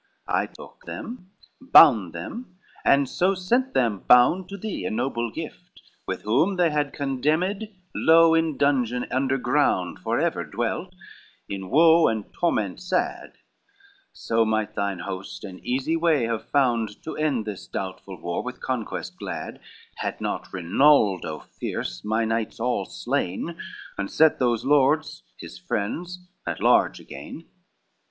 XLV "I took them, bound them, and so sent them bound To thee, a noble gift, with whom they had Condemned low in dungeon under ground Forever dwelt, in woe and torment sad: So might thine host an easy way have found To end this doubtful war, with conquest glad, Had not Rinaldo fierce my knights all slain, And set those lords, his friends, at large again.